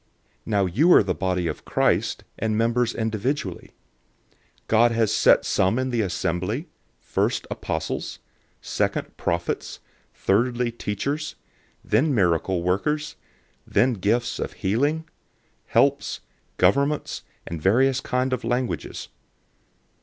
012:027 Now you are the body of Christ, and members individually. 012:028 God has set some in the assembly: first apostles, second prophets, third teachers, then miracle workers, then gifts of healings, helps, governments, and various kinds of languages.